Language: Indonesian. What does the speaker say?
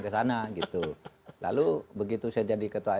kesana gitu lalu begitu saya jadi ketua